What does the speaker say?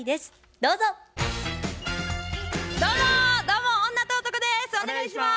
どうも女と男です。